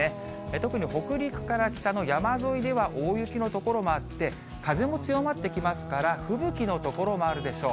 特に北陸から北の山沿いでは大雪の所もあって、風も強まってきますから、吹雪の所もあるでしょう。